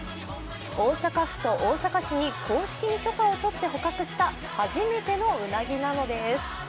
大阪府と大阪市に公式に許可を取って捕獲した初めてのうなぎなのです。